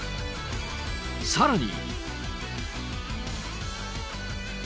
さらに。